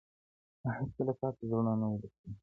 ما هیڅکله تاته زړه نه وو درکړی -